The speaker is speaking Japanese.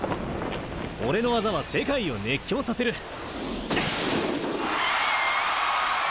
俺の技は世界を熱狂させる！